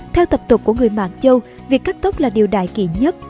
theo tập tục của người mạng châu việc cắt tóc là điều đại kỳ nhất